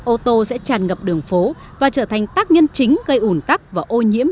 ô tô sẽ tràn ngập đường phố và trở thành tác nhân chính gây ủn tắc và ô nhiễm